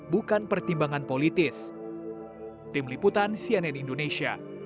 bukan pertimbangan politis